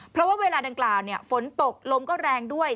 เพราะว่าเวลาดังกล่าวฝนตกลมก็แรงด้วย